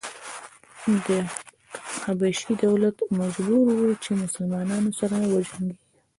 د حبشې دولت مجبور و چې مسلنانو سره وجنګېږي.